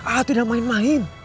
ah tidak main main